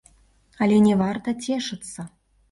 Але не варта цешыцца.